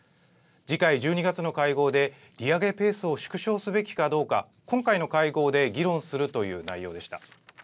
次回１２月の会合で利上げペースを縮小すべきかどうか、今回の会合で議論するという内容でした。